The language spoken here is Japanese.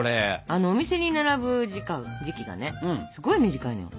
お店に並ぶ時期がねすごい短いのよ。